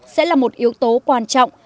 sẽ là một yếu tố quan trọng